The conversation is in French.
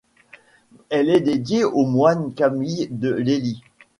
Elle est dédiée au moine Camille de Lellis.